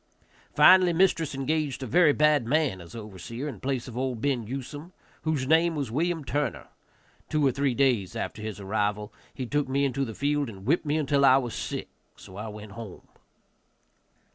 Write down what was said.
Finally mistress engaged a very bad man as overseer, in place of old Ben Usome, whose name was William Turner. Two or three days after his arrival he took me into the field and whipped me until I was sick, so I went home.